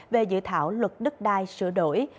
về dự thảo luật đức đai sửa đổi